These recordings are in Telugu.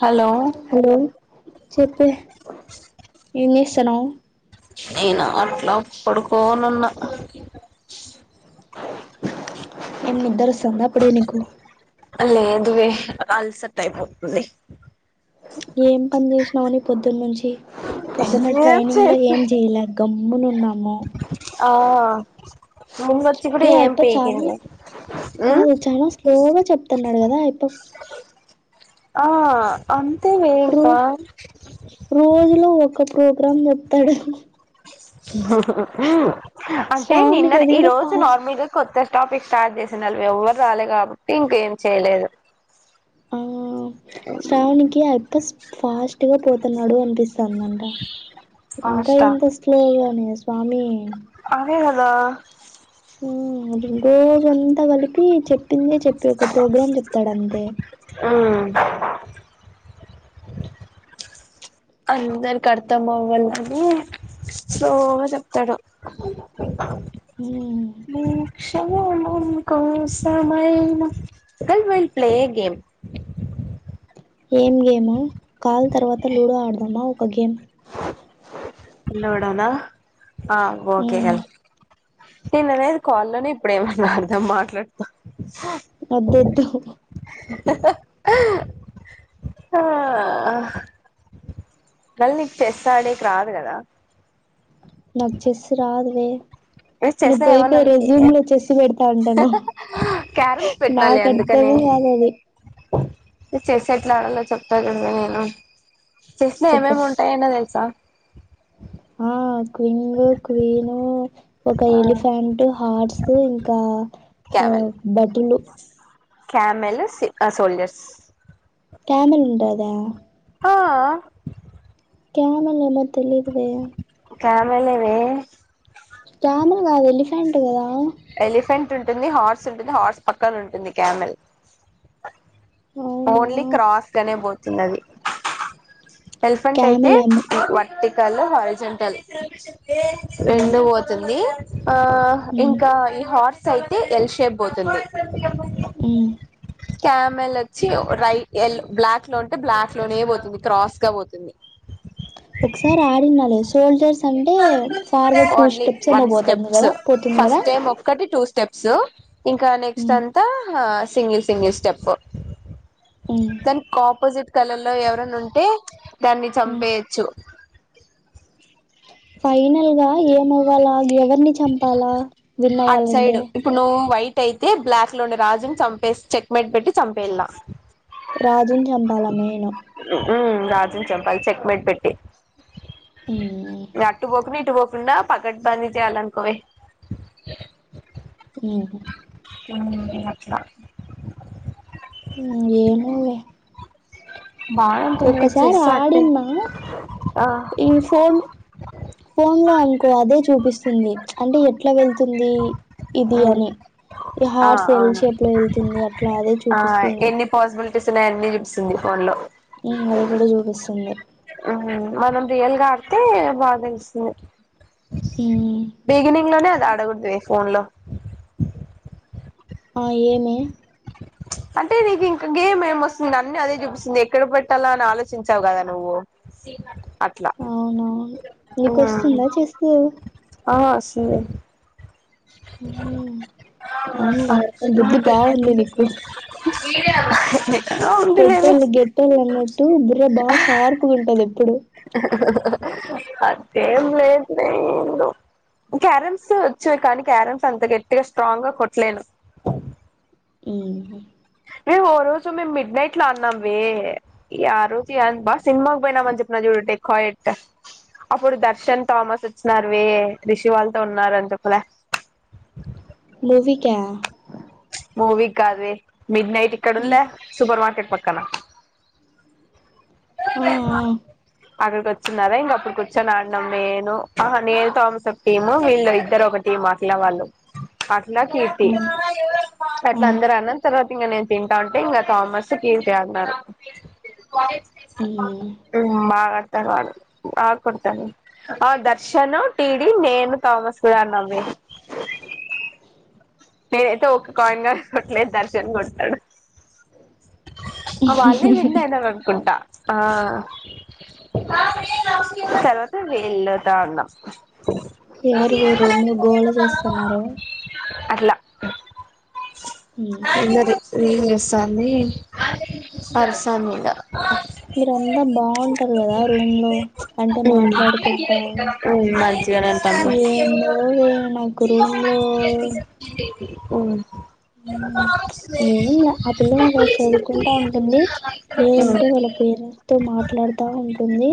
హలో హలో చెప్పే ఏం చేస్తునావ్ నేనా అట్లా పడుకోనున్న ఏం నిద్దరొస్తుందా అప్పుడే నీకు లేదు వే అల్సట్టై పోతుంది ఏం పని చేసినావు పొద్దు నుంచి పొద్దున్న ఏం ట్రైనింగ్లో చెప్పి ఏం చెయ్యాలా అక్క గమ్మునున్నాము ముందోచ్చి కూడా ఏం పీకింద్లే కాదు చాలా స్లోగా చెప్తున్నాడు కదా ఇప్ ఆ అంతే నే గా రోజు లో ఒక ప్రోగ్రాం చెప్తాడు హ అంటే నిన్న శ్రావణికి అది ఈ కూడా రోజు ఫాస్ట్ నార్మల్గా కొత్త టాపిక్ స్టార్ట్ చేసినారూ ఎవ్వరు రాలే కాబట్టి ఇంక ఏం చేయలేదు ఆ శ్రావణికిి ఆ అబ్బాయి ఫాస్ట్ గా పోతున్నాడు అనిపి స్తాందంట ఇంకా ఫాస్టా ఎంత స్లోగానే స్వామి అదే కదా రోజు అంతా కలిపి చెప్పిందే చెప్పి ఒక ప్రోగ్రామ్ చెప్తాడు అంతే ఆ అందరికి అర్థం అవ్వాలని స్లోగా చెప్తాడు హ్మ్ మీ కోసమైనా థాట్ వెల్ ప్లే గేమ్ ఏం గేమ్ కాల్ తర్వాత లూడో ఆడదామా ఒక గేమ్ నిలబడాలా ఆ ఓకే హ్మ్ కల్ నేను అనేది కాల్లోనే ఇప్పుడేమన్నాడ మాట్లాడతా వద్దు వద్దు ఆ మళ్ళ నీకు చెస్ ఆడేకి రాదు కదా నాకు చెస్ రాదు లే నువ్వు చెస్ ఏమన్నా పోయిపోయి రెజ్యూమ్ లో చూసి పెడతా అంటున్నావ్ క్యారమ్స్ పెట్టినాలే నాకు అందుకనే అర్ధమే కాదు అది చెస్ ఎట్లా ఆడలో చెప్తా కదా నేను చెస్ లో చెప్పు ఏమేమి ఉంటాయి ఏన్నో తెలుసా ఆ క్వింగ్ క్వీను ఒక ఆ ఎలిఫెంట్ హార్స్ ఇంకా ఆ బటులు కామెల్ సిక్కా సోల్జర్స్ కామెల్ ఉంటా దా ఆ కామెల్ ఏమో తెలియదు నాకు కామెలేవే క్యామల్ కాదు ఎలిఫెంట్ కదా ఎలిఫెంట్ ఉంటుంది హార్స్ ఉంటుంది హార్స్ పక్కన ఉంటుంది క్యామెల్ అవునా ఓన్లీ క్రాస్గానే పోతుంది అది ఎలిఫెంట్ అయితే క్యామెల్ ఏమో వర్టికల్ హారిజెంటల్ ఉమ్ రెండు పోతుంది ఆ ఉమ్ ఇంకా ఈ హా అయితే ఎల్ షేప్ పోతుంది ఉమ్ క్యామెల్ వచ్చి రైట్ ఎల్ బ్లాక్ లో ఉంటే బ్లాక్ లోనే పోతుంది క్రాస్ గా పోతుంది ఒకసారి ఆడిన లే సోల్జర్స్ అంటే ఫార్వర్డ్ టూ స్టెప్స్ అయినా పోతంది కదా తుంది కదా స్టేమ్ ఒక్కటి టూ స్టెప్స్ ఇంకా నెక్స్ట్ ఉమ్ అం తా హా సింగిల్ సింగిల్ స్టెప్పు [unintelligible] దానికి ఆపోజిట్ కలర్ లో ఎవరన్నా ఉంటే దాన్ని ఉమ్ చంపేయోచ్చు. ఫైనల్ గా ఏమవ్వాలా ఎవరిని చంపాలా విన్న్ అట్ అవ్వాలంటే. సైడ్ ఇప్పుడు నువు వైట్ అయితే బ్లాక్ లోండే రాజుని చంపేస్ చెక్ మేట్ పెట్టి చంపేల్లా. రాజున్ చంపాలా మేయిను ఊ రాజున్ చంపాలి చెక్మెేట్ పెట్టి. ఉమ్ అటు పోకుండా ఇటు పోకుండా పక్కట్ బందీ చేయాలి అనుకోవే. [unintelligible] [unintelligible] ఇంగట్లా ఉమ్ ఏమోలే బాగ ఒక్కసారి ఆడిన్నా ఆ ఈ ఫోన్ ఫోను లో అనుకో అదే చూపిస్తుంది. అంటే ఎట్లా వెళ్తుందీ ఇది ఉమ్ అని. ఈ ఆ హార్స్ అవును ఎల్షేప్లో ఎళ్తుంది అట్లా అదే చూపిస్తుంది. పాసిబులిటీస్ ఉన్నాయన్ని చూపిస్తుంది ఫోన్ లో. ఈ [unintelligible] గూడా చూపిస్తుంది. మనం రియల్ గా ఆడితే బాగా తెలుస్తుంది. బిగినింగ్ లోనే అది ఆడకూడదువే ఫోన్ లో ఆ ఏమే అంటే నీకు ఇంకా గేమ్ ఏం వస్తుంది అన్నీ అదే చూపిస్తుంది ఎక్కడ పెట్టాలా అని ఆలోచించావు గదా నువ్వు. అట్లా అవునవును ఊ నీకు వస్తుందా చేస్తూ ఆ వస్తుందే అవునులే బుద్ధి బాగుంది నీకు [inaudible] ఏదో ఉందిలేవే పొట్టొళ్లు గెట్టోలు అన్నట్టూ బుర్ర బాగా షార్ప్గ ఉంటది ఎప్పుడు. అట్లేం లేదు లే ఏందో క్యారమ్స్ వచ్చే కానీ క్యారమ్స్ అంత గట్టిగా స్ట్రాంగ్ గా కొట్ట్లేను. ఏంది వే మేమ్ ఓరోజు మేం మిడ్ నైట్ లో ఆడినాం వే ఈ ఆరోజు ఏంద్ బా సినిమాకు పోయినామని చెప్పినా జూడు డెకాయెట్. అప్పుడు దర్శన్, థామస్ వచ్చినారు వే రిషి వాళ్ళతో ఉన్నారు అని చెప్పలే. మూవీ కా మూవీ కాద్ వే మిడ్ నైట్ ఇక్కడ ఉండ్ లే సూపర్ మార్కెట్ పక్కనా. ఆ ఆ అక్కడికి వచ్చిన్నారా ఇంగ అప్పుడు కూర్చొన్ ఆడినం నేను అహ నేను థామస్ ఒక టీము వీళ్ళు ఇద్దరు ఒకట్ టీమ్ అట్లా వాళ్ళు అట్లా కీర్తి ఆ అట్లా అందరు అడినం తర్వాత ఇంగ నేను తింటా ఉంటే ఇంగా థామస్స్ కీర్తి అడినారు. బాగా ఆడతాడు వాడు బాగ్ కొడతాడువే ఆ దర్శను, టీడి, నేను థామస్ కూడా ఆడినాంవే. నేనైతే ఒక కాయిన్ గాని కొట్టలేదు దర్శన్ కొట్టాడు. ఆ వాళ్ళే విన్ అయ్యారు అనుకుంటా ఆ. తర్వాతా వీళ్ళతో ఆడినం. ఎవరు వే రూమ్ లో గోళ చేస్తున్నారు. అట్ల ఉ అందరు రీల్ చేస్తాంది పర్సన్గా మీరు అంద బాంటారు కదా రూమ్ లో అంటే ఉమ్ మాట్లాడుకుంటా ఉమ్ మంచిగానే అంటాంలే ఏందో వే నాకు రూమ్ లో ఒ ఎం లే అ పిల్ల ఉంగ చదువుకుంటా ఉంటుంది లేదంటే వాళ్ళ పేరెంట్స్ తో మాట్లాడుతా ఉంటుంది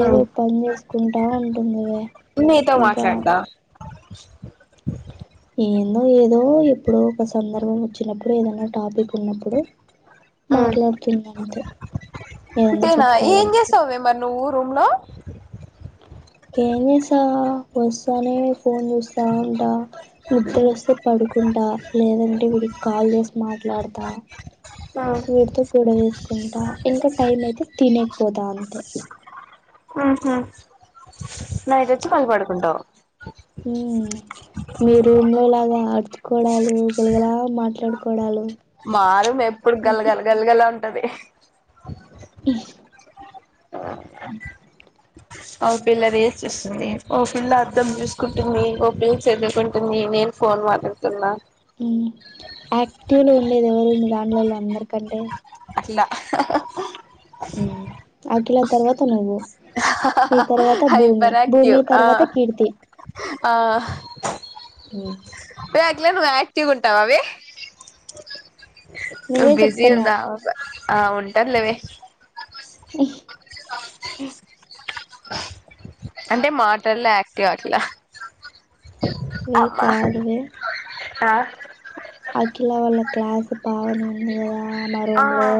ఏదో పని చేసుకుంటా ఉంటుందివే న్నయతో ఇంకా మాట్లాడ్తా ఏందో ఏదో ఎప్పుడో ఒక సందర్భం వచ్చినప్పుడు ఏదైనా టాపిక్ ఉన్నప్పుడు ఉమ్ మాట్లాడుతుంది అంతే ఏదన్నా అంతేనా ఏం చెప్పుకోవాలనుకు చేస్తావే మరి నువ్వు రూమ్ లో ఏం చేసా వస్తానే ఫోన్ చూస్తా ఉంటా ఉమ్ నిద్దరోస్తే పడుకుంటా లేదంటే వీడికి కాల్ చేసి మాట్లాడుతా ఆ వీడితో గొడవేసుకుంటా ఇంకా టైం అయితే తినెకి పోతా అంతే మ్ హు నైట్ వచ్చి మళ్ళి పడుకుంటావ్ మ్మ్ మీ రూమ్ లో లాగా ఆడుచుకోడాలు గలగలా మాట్లాడుకోడాలు మా రూమ్ ఎప్పుడు గలగల గలగలా ఉంటది ఓ పిల్ల రిల్ చూస్తుంది ఓ పిల్ల అద్దం చూసుకుంటుంది ఓ పిల్ చదువుకుంటుంది నేను ఫోన్ మాట్లాడుతున్నా ఆక్టివ్ లో ఉండేది ఎవరు మీ దాంట్లలో అందరికంటే అఖిల మ్ ఆఖిలా తర్వాత నువ్వు నీ తర్వాత భూమి హైపర్ భూమి యాక్టివ్ ఆ తర్వాత కీర్తి ఆ ఉ ఎ అఖిల నువ్ ఆక్టివ్ ఉంటావావే ఒ నువ్వే బిజి చెప్తున్నావ్ ఉందా ఆ ఉంటర్ లెవే అంటే మాటల్లో యాక్టివ్ అట్ల వే అమ్మా కాదువే అ అఖిలా వాళ్ళ క్లాస్ పావని ఉంది గదా మా ఆ రూమ్ లో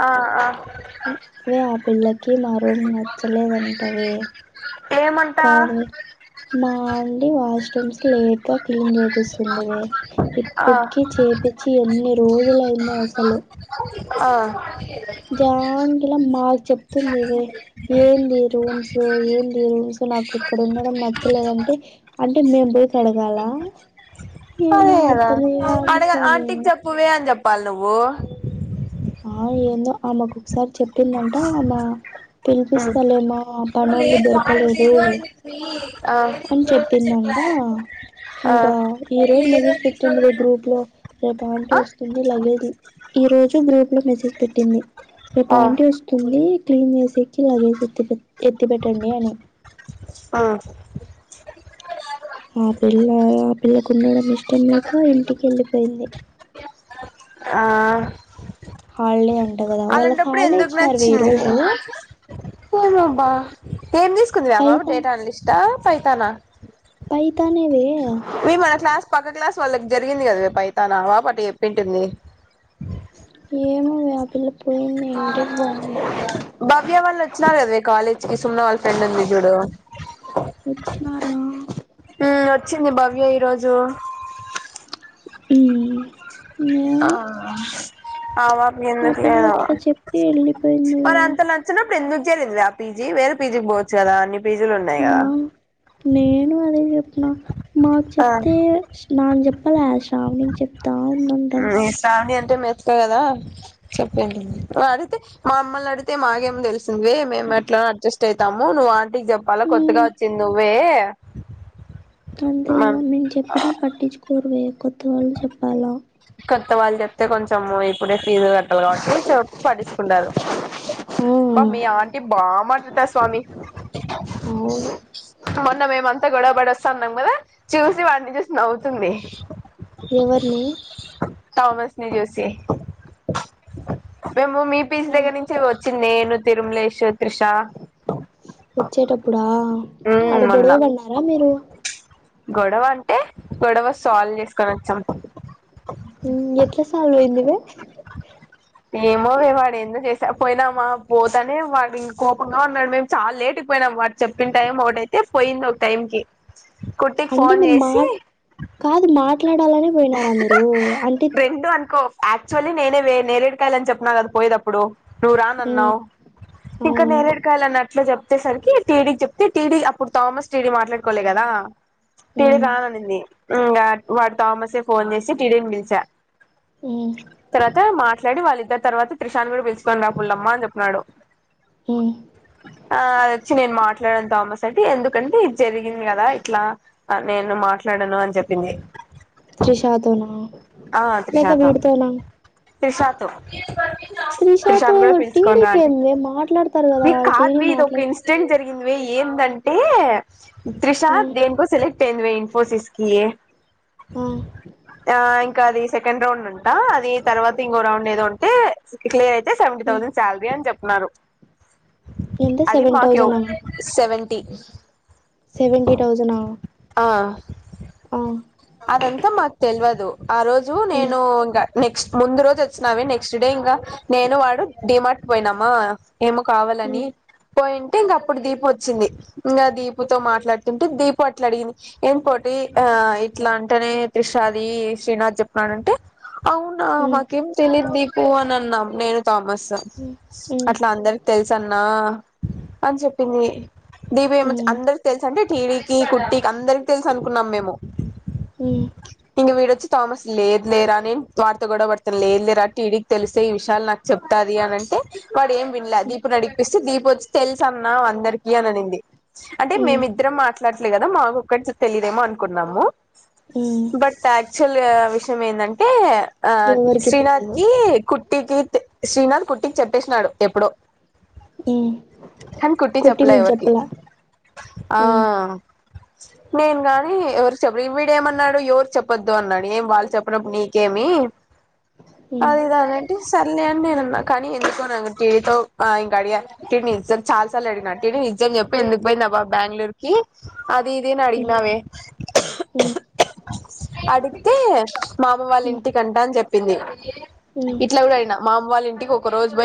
ఆ అ వే ఆ పిల్లకి మా రూమ్ నచ్చలేదంటవే ఏ మం కాదు మా ఆంటి వాష్రూమ్స్ లేట్ గా క్లీన్ చేపిస్ తుందివే ఆ ఇప్పటికి చేపిచ్చి ఎన్ని రోజులు అయిందో అసలు ఆ దాంట్ల మాకు చెప్తుంది వే ఏంది రూమ్స్ ఏంది రూమ్స్ నాకు ఇక్కడ ఉండడం నచ్చలేదంటే అంటే మేము బోయి కడగాలా అదే గదా అడగ ఆంటికి స్వామి చెప్పువే అని చెప్పాలి నువ్వు. ఆ ఏందో ఆమె ఒకొకసారి చెప్ ప్తుందంటా ఆమా పిలిపిస్తలేమా పనోళ్ళు లేదు దొరకలేదు. వాడట్లేదు అని చెప్పి ఆ అని చెప్పిందంటా. ఇంకా ఆ ఈ రోజు మెసేజ్ పెట్టిందివే గ్రూప్లో. రేపు ఆంటి వస్తుంది లగేజ్ ఈ రోజు గ్రూప్లో మెసేజ్ పెట్టింది రేపు ఆ ఆంటి వస్ ఆ తుంది క్లీన్ చేసేకి లగేజ్ ఎత్తి ఎత్తి పెట్టండి అని. ఆ ఆ పిల్ల ఆ పిల్లకు ఉండడం ఇష్టం లేక ఇంటికి ఎళ్ళిపోయింది. ఆ హాలిడే అంట గదా వాళ్ళకు అలాంటప్పుడు హాలిడే ఇచ్చినారువే ఈ రోజు. ఏమో అబ్బా ఏం తీసుకుందిరా బాబు పైతాన్ డేటా ఎనాలిస్టా, పైథానా. పైథానేవే వే మన క్లాస్ పక్క క్లాస్ వాళ్ళకి జరిగింది కదవే పైథాన్ ఆ పాప అట్ట చెప్పింటుంది. ఏమోవే ఆ పిల్ల పోయింది ఇంటికి పోయింది. భవ్య వాళ్ళు వచ్చినారు గదవే కాలేజ్కి సుమ్న వాళ్ళ ఫ్రెండ్ ఉంది చూడు. వచ్చినారా? హ్మ్ వచ్చింది భవ్య ఈరోజు. ఈ ఆ ఆ పాపకెందుకు పిల్ల లేదు అట్లా చెప్పి వెళ్ళిపోయింది మరి వే అంత నచ్చనప్పుడు ఎందుకు చేరింద్వే ఆ పీజీ వేరే పీజీకి పోవచ్చు కదా అని నా నేను అదే చెప్పినా మాకు ఆ చెప్తే నాకు చెప్పలే శ్రావని కి జెప్పి ఈ శ్రావణి అంటే మెతుక కదా చెప్పింటుంది అడుగుతే మా మమ్మల్ని అడిగితే మాకేం తెలిసింద్వే మేము ఎట్లనో అడ్జస్ట్ అయితాము నువ్వు ఆంటికి చెప్పాలా కొత్తగా ఉమ్ వచ్చింది నువ్వే. అంతేకదా మేము చెప్పినా పట్టిచ్చుకోరువే కొత్త వాళ్ళు చెప్పాలా. కొత్త వాళ్ళు చెప్తే కొంచెం ఇప్పుడే ఫీజు కట్టాలి కాబట్టి చెప్ పట్టించుకుంటరు. ఆ అబ్బా మీ ఆంటీ బామాట్లాడతది స్వామి. అవును. మొన్న మేమంతా గొడవ పడి వస్తాన్నాం కదా చూసి వాడినిచూసి నవ్వుతుంది. ఎవ్వర్ని? థామస్ ని చూసి. మేము మీ పీజి ఆ దగ్గర నుంచే వచ్చిన్నే నేను, తిరుమలేష్, త్రిష వచ్చేటప్పుడా ఉమ్ ఆడ మొన్న గొడవ పడినారా మీరు. గొడవ అంటే గొడవ సాల్వ్ చేసుకొని వచ్చాం. ఎట్లా సాల్వ్ అయిందివే. ఏమోవే వాడు ఎందో చేసా పోయినామా పోతనే వాడు ఇంకా కోపంగా ఉన్నాడు, మేము చాలా లేటుకి పోయినాము వా చెప్పిన టైం ఒకటయితే పోయింది ఒక టైంకి. అంటే మీరు మా కాదు మాట్లాడాలని రెండు అనుకో యాక్చువల్లీ నేనేవే నేరేడుకాయలని చెప్నా కదా పోయేటప్పుడు. నువ్వు మ్మ్ రానన్నావ్. ఇంకా అవును నేరేడుకాయలు అన్నట్ల చెప్తేసరికి టీడీకి చెప్తే టీడీ అప్పుడు థామస్ టీడి మాట్లాడుకోలే కదా టీడీ మ్మ్ రాననింది ఇంగ వాడు తామసే ఫోన్ చేసి టీడిని పిలిచ మ్మ్ తర్వాత మాట్లాడి వాళ్ళిద్దరు తర్వాత త్రిషాన్ కూడ పి తీసుకోని ర పులమ్మా అని చెప్పినాడు మ్మ్ ఆ అదొచ్చి నేను మాట్లడను తామస్ [unintelligible] ఎందుకంటే ఇది జరిగింది కదా ఇట్లా నేను మాట్లాడను అని చెప్పింది త్రిషతోన ఆ త్రిషతో త్రిష త్రిషాతో త్రిషాన్ కూడ పిలుచుకొని రా టీడీకి అంటే ఏమి మాట్లాడతారు కదా మీ కాదు టీడీ మీ ఇది ఒక మాట్లా ఇ [unintelligible] జరిగిందివే ఏందంటే త్రిష ఆ దేనికో సెలె తె ఇన్ఫోసిస్కి ఆ ఆ ఇంక అది సెకండ్ రౌండ్ అంటా అది తర్వాత ఇంకో రౌండ్ ఏదో ఉంటే క్లియర్ అయితే సెవెంటీ మ్మ్ థౌసండ్ సాలరీ అని చెప్పినారు ఎంత అది సెవెన్ మాకి థౌజనా సెవెంటీ సెవెంటీ థౌసన ఆ అ అదంత మాకు తెలవదు ఆ రోజు మ్మ్ నేను నెక్స్ట్ ముందు రోజు వచ్చినావే నెక్స్ట్ డే ఇంకా నేను వాడు డీమార్ట్ పోయినామా ఏమో కావాలని మ్మ్ పోయింటే ఇంగ అప్పుడు దీపు వచ్చింది ఇంగ దీపుతో మాట్లాడుతుంటే దీపు అట్ల అడిగింది ఏం కోటి ఆ ఇట్ల అంటేనే త్రిషాది శ్రీనాథ్ చెప్పన్నాడంటే అవునా మ్మ్ మాకేం తెలిదు దీపూ అని అన్నాం నేను థామస్ మ్మ్ మ్మ్ అట్ల అందరికి తెలుసన్నా అని చెప్పింది [unintelligible] ఏం అందరి తెలుసు అంటే టీడీకి కుట్టికి అందరికి తెలుసు అనుకున్నాం మేము హు ఇంగ వీడొచ్చి తామస్ లేదు లేర నేను వాడ్తో గొడవ పడ్తను లేదు లేరా టీడి తెలిస్తె ఈ విషయాలు నాకు చెప్తది అని అంటే వాడు ఏం విన్లే మ్మ్ దీపుని నడిగిపిస్తే దీపు వచ్చి తెలుసన్నా అందరికి అని అనింది అంటె మ్మ్ మేమిద్దరం మాట్లడట్లే గదా మాకు ఒక్కటి తెలిదేమో అనుకున్నాము మ్మ్ బట్ యాక్చువల్గా విషం ఏంటంటే ఆ ఎవరికి శ్రీనాథ్ తెలీదు కి కుట్టి కి శ్రీనాథ్ కుట్టికి చెప్పేసినాడు ఎప్పుడో మ్మ్ కని కుట్టి చెప్పలే మీకు ఎవరికి చెప్పలా మ్మ్ ఆ నేను గాని ఎవరు చెప్ విడేమన్నాడు ఎవరు చెప్పొద్దు అన్నాడు ఏం వాళ్ళు చెప్పినప్పుడు నీకేమీ మ్మ్ అది ఇది అనంటే సర్లే అని నేనున్న కానీ ఎందుకో నాకు టీడీతో ఆ ఇంగ అడిగా టిడి నిజం చాలా సార్ అడిగిన టిడి నిజం చెప్పు ఎందుకు పోయింది ఆ పాప్ బ్యాంగళూరు కి అది ఇది అని అడిగినా వే హు అడిగితే మామ వాళ్ళ ఉ ఇంటికి అంట అని చెప్పింది ఉ ఇట్ల గూడ అడిగిన మామ వాళ్ళింటికి ఒక రోజు [unintelligible]